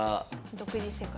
独自世界。